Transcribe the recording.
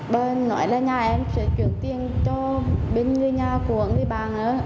bà nói là nhà em sẽ chuyển tiền cho bên người nhà của người bà nữa